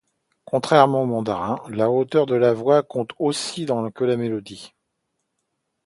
Contrairement au mandarin, la hauteur de la voix compte ainsi que la mélodie.